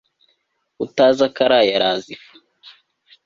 utazi akaraye araza ifu